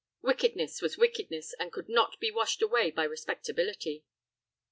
Wickedness was wickedness, and could not be washed away by respectability.